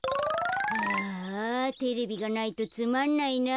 ああテレビがないとつまんないな。